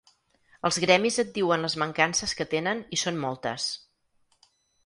Els gremis et diuen les mancances que tenen i són moltes.